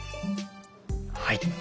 はい。